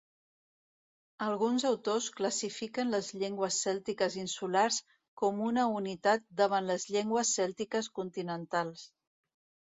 Alguns autors classifiquen les llengües cèltiques insulars com una unitat davant les llengües cèltiques continentals.